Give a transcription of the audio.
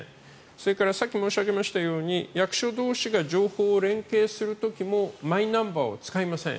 それからさっき申し上げましたように役所同士が情報を連携する時もマイナンバーを使いません。